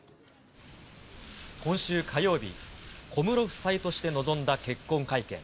今週火曜日、小室夫妻として臨んだ結婚会見。